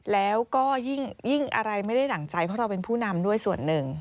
แล้วก็ยิ่งอะไรไม่ได้ดั่งใจเพราะเราเป็นผู้นำด้วยส่วนหนึ่ง